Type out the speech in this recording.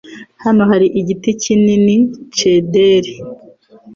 Hano hari igiti kinini cederi.